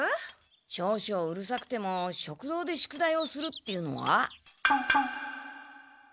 少々うるさくても食堂で宿題をするっていうのは？